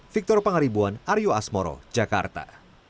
victor pangaribuan aryo asmoro jakarta